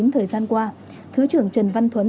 thời gian qua thứ trưởng trần văn thuấn